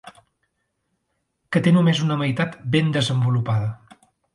Que té només una meitat ben desenvolupada.